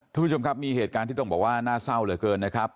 ท่านผู้ชมครับมีเหตุการณ์ที่ต้องบอกว่าน่าเศร้าเหลือเกินนะครับ